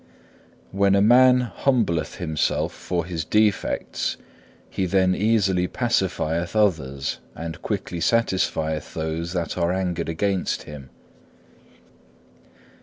2. When a man humbleth himself for his defects, he then easily pacifieth others and quickly satisfieth those that are angered against him.